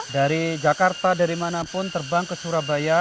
dari jakarta dari mana pun terbang ke surabaya